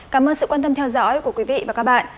cảm ơn sự quan tâm theo dõi của quý vị và các bạn